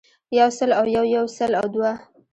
يو سل او يو يو سل او دوه